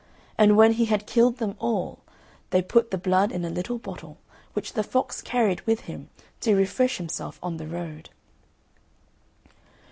And when he had killed them all they put the blood in a little bottle, which the fox carried with him, to refresh himself on the road.